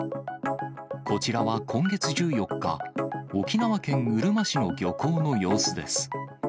こちらは今月１４日、沖縄県うるま市の漁港の様子です。